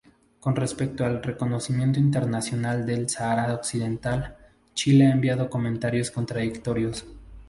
Con respecto al reconocimiento internacional del Sáhara occidental, Chile ha enviado comentarios contradictorios.